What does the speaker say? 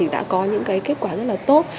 đã có những kết quả rất tốt